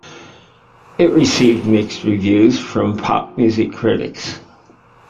It received mixed reviews from pop music critics.